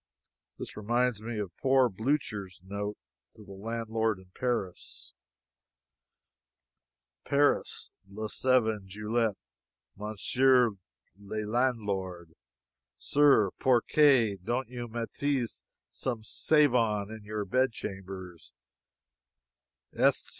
This reminds me of poor Blucher's note to the landlord in Paris: PARIS, le 7 Juillet. Monsieur le Landlord Sir: Pourquoi don't you mettez some savon in your bed chambers?